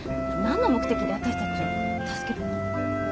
何の目的で私たちを助けるの？